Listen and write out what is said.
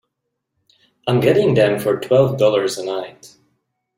I'm getting them for twelve dollars a night.